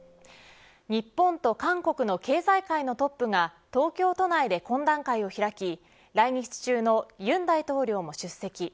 日本と韓国の経済界のトップが東京都内で懇談会を開き来日中の尹大統領も出席。